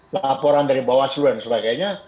laporan dari bawaslu dan sebagainya